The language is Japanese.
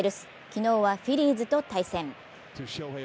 昨日はフィリーズと対戦。